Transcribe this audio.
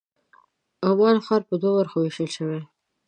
عمان ښار په دوو برخو وېشل شوی.